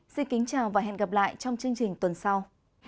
xin kính chào và hẹn gặp lại trong chương trình tuần sau